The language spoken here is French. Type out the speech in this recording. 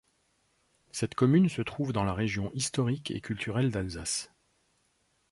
Cette commune se trouve dans la région historique et culturelle d'Alsace.